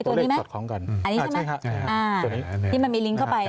ที่มันมีลิงค์เข้าไปใช่ไหมครับ